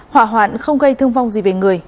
hỏa hoạn không gây thương vong gì về người